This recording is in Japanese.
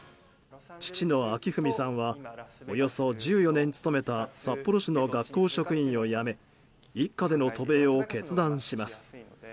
父の章文さんはおよそ１４年務めた札幌市の学校職員を辞め一家での渡米を決断します。